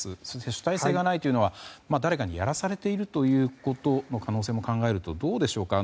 主体性がないというのは、誰かにやらされているという可能性も考えると、どうでしょうか。